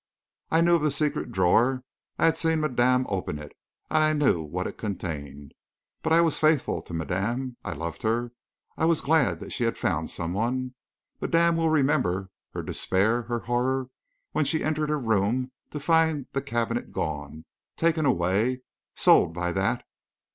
"I knew of the secret drawer; I had seen madame open it; I knew what it contained. But I was faithful to madame; I loved her; I was glad that she had found some one.... Madame will remember her despair, her horror, when she entered her room to find the cabinet gone, taken away, sold by that....